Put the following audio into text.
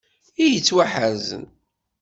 I yettwaḥerzen.